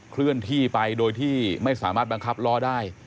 เคลื่อนที่ไปโดยที่ไม่สามารถบังคับล้อได้